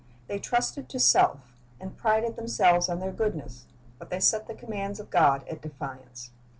They trusted to self, and prided themselves on their goodness; but they set the commands of God at defiance.